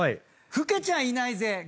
老けちゃいないぜ！